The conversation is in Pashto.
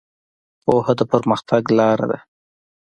پوهه د پرمختګ لاره ده.